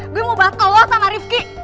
gue mau bahas kalau sama rifki